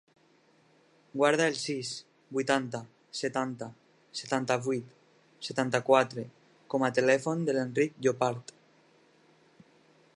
Guarda el sis, vuitanta, setanta, setanta-vuit, setanta-quatre com a telèfon de l'Enric Llopart.